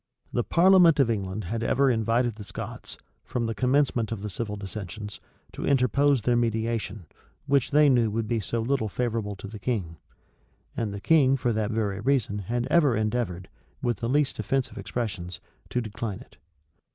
The parliament of England had ever invited the Scots, from the commencement of the civil dissensions, to interpose their mediation, which they knew would be so little favorable to the king: and the king for that very reason had ever endeavored, with the least offensive expressions, to decline it.